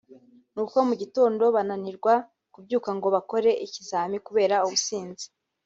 nuko mu gitondo bananirwa kubyuka ngo bakore ikizami kubera ubusinzi